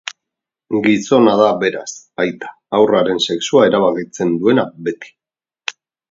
Gizona da beraz, aita, haurraren sexua erabakitzen duena beti.